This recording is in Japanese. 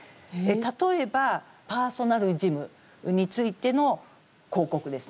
例えばパーソナルジムについての広告ですね。